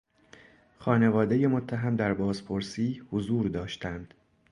خانوادهی متهم در بازپرسی حضور داشتند.